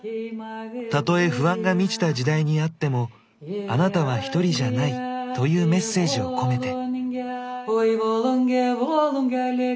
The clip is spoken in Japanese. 「たとえ不安が満ちた時代にあってもあなたはひとりじゃない」というメッセージをこめて。